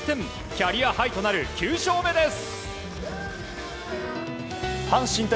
キャリアハイとなる９勝目です。